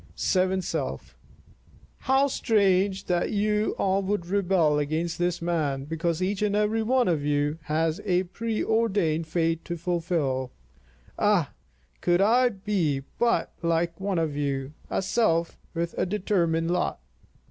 Seventh Self: How strange that you all would rebel against this man, because each and every one of you has a preordained fate to fulfil. Ah! could I but be like one of you, a self with a determined lot!